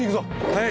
はい。